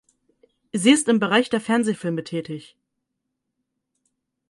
Sie ist im Bereich der Fernsehfilme tätig.